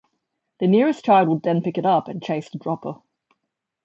The nearest child would then pick it up and chase the dropper.